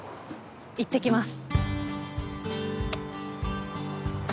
いってきます。